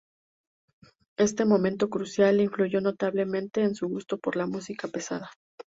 Este momento crucial le influyó notablemente en su gusto por la música pesada.